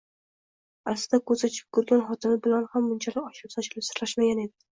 Aslida, ko‘z ochib ko‘rgan xotini bilan ham bunchalik ochilib-sochilib sirlashmagan edi